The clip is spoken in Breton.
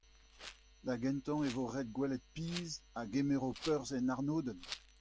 da gentañ e vo ret gwelet piz a gemero perzh en arnodenn.